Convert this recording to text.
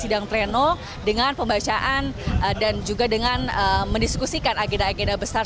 dengan pembacaan dan juga dengan mendiskusikan agenda agenda besar